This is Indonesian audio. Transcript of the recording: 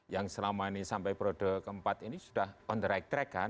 yang selama ini sampai perode keempat ini sudah on the right track kan